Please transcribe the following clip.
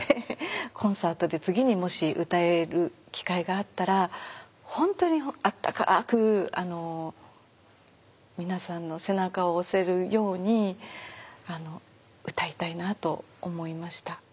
コンサートで次にもし歌える機会があったら本当にあったかく皆さんの背中を押せるように歌いたいなと思いました。